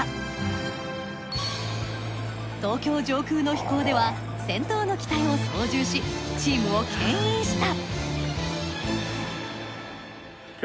東京上空の飛行では先頭の機体を操縦しチームをけん引した。